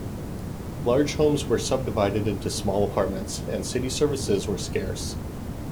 Large homes were subdivided into small apartments and city services were scarce.